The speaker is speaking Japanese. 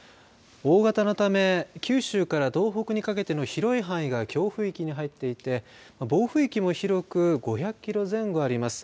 大型のため、九州から東北にかけての広い範囲が強風域に入っていて暴風域も広く５００キロ前後あります。